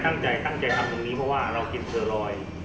ตั้งใจเลยคือตั้งใจทำตรงนี้เพราะว่าเรากินเซอรอย